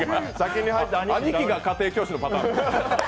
兄貴が家庭教師のパターンか。